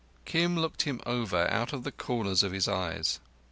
Kim looked him over out of the corners of his eyes.